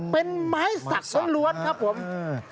เป็นไม้สักสล้วนครับผมอือไม้สัก